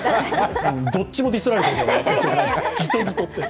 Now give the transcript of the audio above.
どっちもディスられてる。